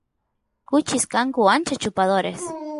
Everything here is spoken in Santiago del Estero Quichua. kuchis kanku ancha chupadores